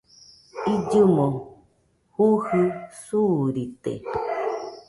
Illɨmo jujɨ suurite